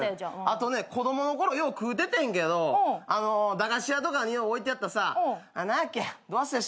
あとね子供のころよう食うててんけど駄菓子屋とかによう置いてあったさ何やっけ度忘れしてもうた。